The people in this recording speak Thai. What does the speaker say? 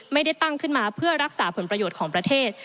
ไม่ได้ตั้งขึ้นมาเพื่อรักษาผลประโยชน์ของประเทศ